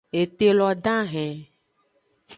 Ete lo dahen.